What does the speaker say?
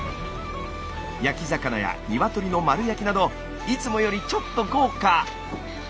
焼き魚やニワトリの丸焼きなどいつもよりちょっと豪華。